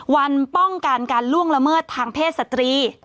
วันป้องกันการล่วงละเมิดทางเพศสตรี